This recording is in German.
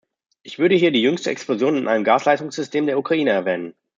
Ich würde hier die jüngste Explosion in einem Gasleitungssystem der Ukraine erwähnen.